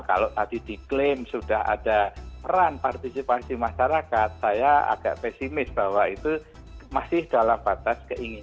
kalau tadi diklaim sudah ada peran partisipasi masyarakat saya agak pesimis bahwa itu masih dalam batas keinginan